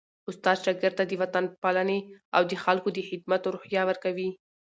استاد شاګرد ته د وطنپالني او د خلکو د خدمت روحیه ورکوي.